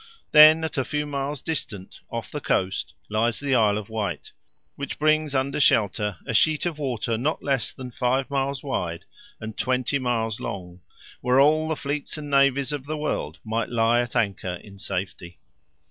Then at a few miles distant, off the coast, lies the Isle of Wight, which brings under shelter a sheet of water not less than five miles wide and twenty miles long, where all the fleets and navies of the world might lie at anchor in safety.